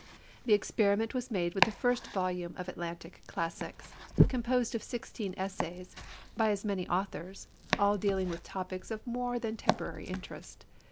The experiment was made with the first volume of Atlantic Classics, composed of sixteen essays, by as many authors, all dealing with topics of more than temporary interest.